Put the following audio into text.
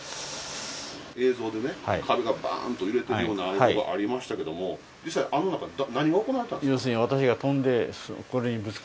映像でね、壁がばーんと揺れてるようなところがありましたけど、実際、あの中で何が行われてたんですか？